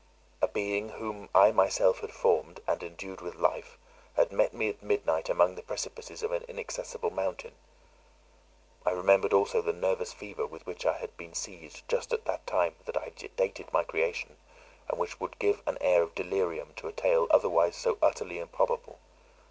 A being whom I myself had formed, and endued with life, had met me at midnight among the precipices of an inaccessible mountain. I remembered also the nervous fever with which I had been seized just at the time that I dated my creation, and which would give an air of delirium to a tale otherwise so utterly improbable.